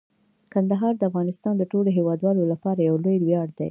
کندهار د افغانستان د ټولو هیوادوالو لپاره یو لوی ویاړ دی.